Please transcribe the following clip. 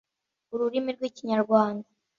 ururimi rw’ikinyarwanda,